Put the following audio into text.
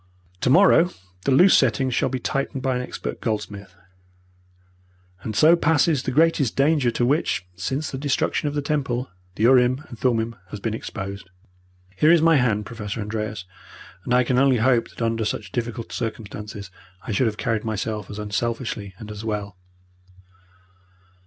Tomorrow the loose settings shall be tightened by an expert goldsmith, and so passes the greatest danger to which, since the destruction of the Temple, the urim and thummim has been exposed. Here is my hand, Professor Andreas, and I can only hope that under such difficult circumstances I should have carried myself as unselfishly and as well."